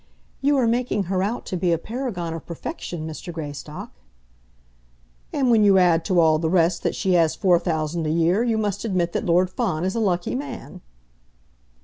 "You are making her out to be a paragon of perfection, Mr. Greystock." "And when you add to all the rest that she has four thousand a year, you must admit that Lord Fawn is a lucky man."